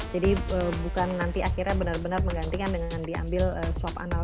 jadi bukan nanti akhirnya benar benar menggantikan dengan diambil swab anal